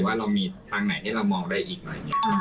ว่าเรามีทางไหนให้เรามองได้อีกหน่อย